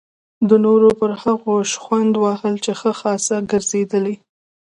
د نورو پر هغو شخوند وهل یې ښه خاصه ګرځېدلې.